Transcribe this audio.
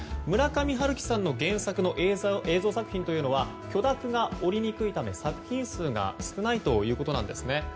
村上春樹さんの原作の映像作品というのは許諾が降りにくいため、作品数が少ないということなんです。